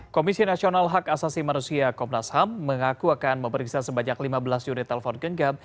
komisi nasional hak asasi manusia komnas ham mengaku akan memeriksa sebanyak lima belas unit telepon genggam